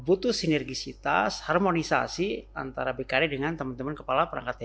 nah itu tentu butuh sinergisitas harmonisasi antara bkd dengan teman teman kepala perangkat daerah